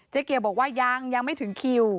เกียวบอกว่ายังยังไม่ถึงคิว